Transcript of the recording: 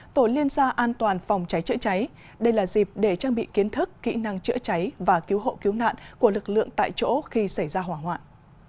tổ liên gia an toàn phòng cháy chữa cháy đây là dịp để trang bị kiến thức kỹ năng chữa cháy và cứu hộ cứu nạn của lực lượng tại chỗ khi xảy ra hỏa hoạn